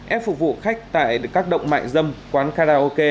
ép phục vụ khách tại các động mại dâm quán karaoke massage trá hình